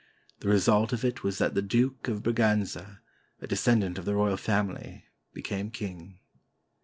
The result of it was that the Duke of Braganza, a descendant of the royal family, became king.